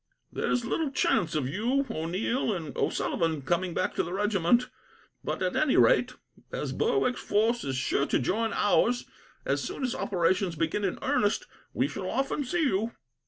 "There is little chance of you, O'Neil and O'Sullivan coming back to the regiment; but, at any rate, as Berwick's force is sure to join ours, as soon as operations begin in earnest, we shall often see you."